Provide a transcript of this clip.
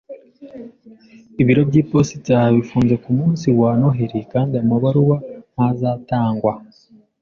Ibiro by'iposita bifunze ku munsi wa Noheri kandi amabaruwa ntazatangwa.